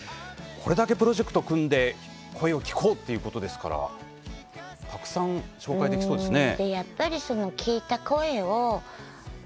これだけプロジェクト組んで声を聴こうということですからたくさん、紹介できそうですね。